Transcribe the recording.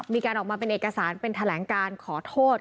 มีการออกมาเป็นเอกสารเป็นแถลงการขอโทษ